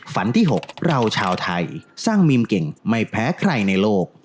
ฝันที่๖เราชาวไทยสร้างมิมเก่งไม่แพ้ใครในโลก